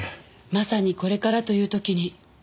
まさにこれからというときに。